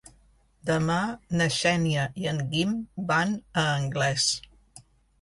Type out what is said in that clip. Demà na Xènia i en Guim van a Anglès.